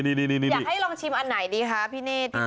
อยากให้ลองชิมอันไหนดีคะพี่เนธ